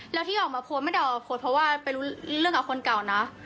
แล้วที่ออกมาโพสต์ไม่ได้ออกมาโพสต์เพราะว่าไปรู้เรื่องกับคนเก่านะ